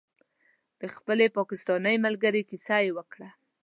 د خپلې پاکستانۍ ملګرې کیسه یې وکړه.